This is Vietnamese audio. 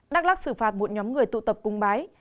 đắk lắc xử phạt một nhóm người tụ tập cung bái